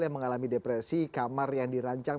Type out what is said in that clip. yang mengalami depresi kamar yang dirancang